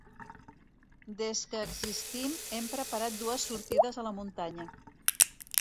Des que existim, hem preparat dues sortides a la muntanya.